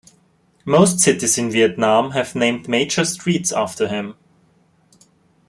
Most cities in Vietnam have named major streets after him.